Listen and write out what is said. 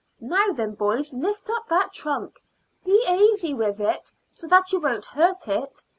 Now then, boys, lift up that trunk. Be aisy with it, so that you won't hurt it.